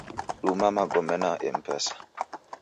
Duma magome na Mpesa.